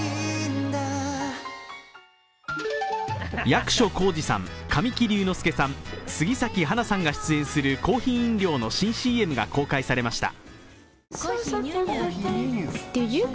役所広司さん、神木隆之介さん、杉咲花さんが出演するコーヒー飲料の新ＣＭが公開されました。